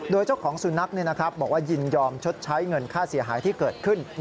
โดยเจ้าของสุนัขบอกว่ายินยอมชดใช้เงินค่าเสียหายที่เกิดขึ้น